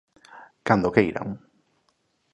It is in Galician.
¡Cando queiran!